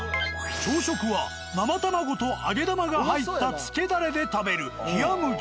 朝食は生卵と揚げ玉が入ったつけダレで食べる冷や麦。